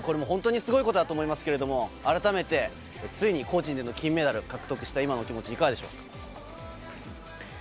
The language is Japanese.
本当にすごいことだと思いますが改めて、ついに個人での金メダルを獲得した今のお気持ち、いかがでしょう？